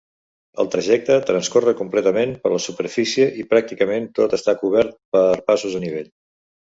El trajecte transcorre completament per la superfície i pràcticament tot està cobert per passos a nivell.